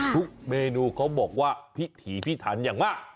เมนูเขาบอกว่าพิถีพิถันอย่างมาก